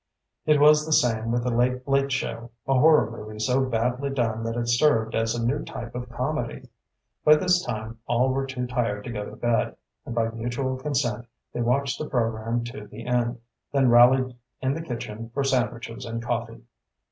It was the same with the late, late show, a horror movie so badly done that it served as a new type of comedy. By this time, all were too tired to go to bed, and by mutual consent, they watched the program to the end, then rallied in the kitchen for sandwiches and coffee.